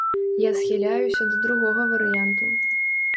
Я схіляюся да другога варыянту.